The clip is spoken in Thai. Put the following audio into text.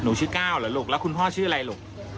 ชื่อก้าวเหรอลูกแล้วคุณพ่อชื่ออะไรลูก